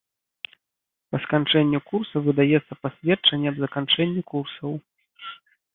Па сканчэнню курса выдаецца пасведчанне аб заканчэнні курсаў.